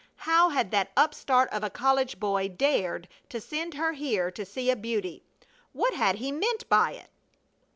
How had that upstart of a college boy dared to send her here to see a beauty! What had he meant by it?